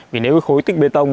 vì nếu khối tích bê tông